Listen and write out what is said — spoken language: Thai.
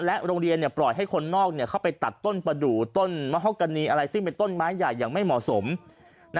โรงเรียนปล่อยให้คนนอกเข้าไปตัดต้นประดูกต้นมหกณีอะไรซึ่งเป็นต้นไม้ใหญ่อย่างไม่เหมาะสม